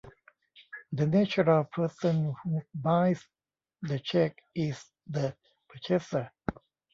The natural person who buys the cheque is the purchaser.